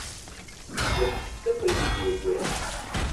Iḥettet akk ayen i d-yeggran.